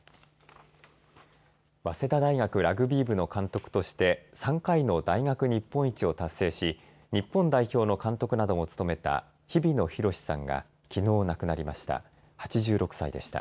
早稲田大学ラグビー部の監督として３回の大学日本一を達成し日本代表の監督なども務めた日比野弘さんがきのう亡くなりました。